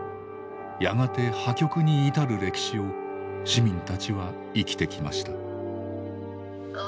やがて破局に至る歴史を市民たちは生きてきました。